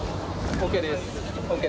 ＯＫです。